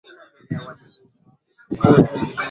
Kulazimika kuacha nyumba aliyochangia kujenga